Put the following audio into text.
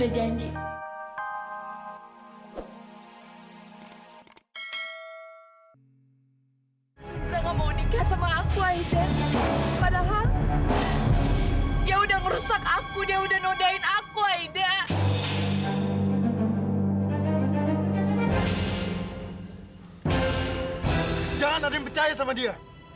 jangan ada yang percaya sama dia